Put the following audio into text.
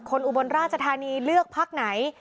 คนอุบลราชธานีเลือกภักดิ์ไหน